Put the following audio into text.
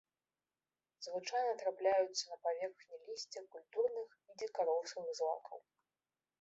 Звычайна трапляюцца на паверхні лісця культурных і дзікарослых злакаў.